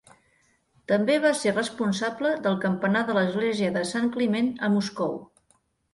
També va ser responsable del campanar de l'Església de Sant Climent a Moscou.